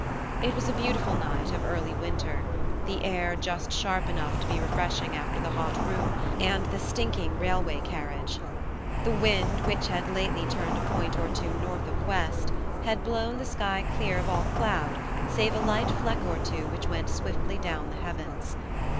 It was a beautiful night of early winter, the air just sharp enough to be refreshing after the hot room and the stinking railway carriage. The wind, which had lately turned a point or two north of west, had blown the sky clear of all cloud save a light fleck or two which went swiftly down the heavens.